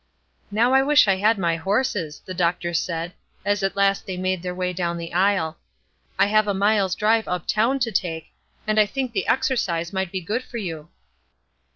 "Now I wish I had my horses," the doctor said, as at last they made their way down the aisle. "I have a mile's drive up town to take, and I think the exercise might be good for you."